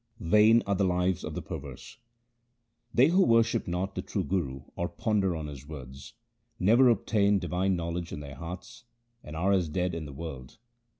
Vain are the lives of the perverse :— They who worship not the true Guru or ponder on his words, Never obtain divine knowledge in their hearts, and are as dead in the world.